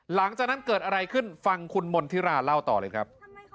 หลังจากนั้นเกิดอะไรขึ้นฟังคุณมณฑิราเล่าต่อเลยครับ